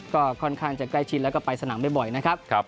ก็ค่อนข้างจะใกล้ชิดแล้วก็ไปสนามบ่อยนะครับ